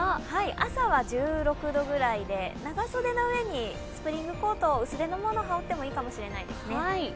朝は１６度くらいで、長袖の上にスプリングコート、薄手のものを羽織ってもいいですね。